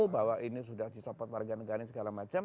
bahwa ini sudah disopot warga negara segala macam